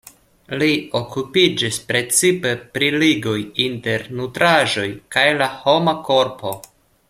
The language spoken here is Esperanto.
Li okupiĝis precipe pri ligoj inter nutraĵoj kaj la homa korpo.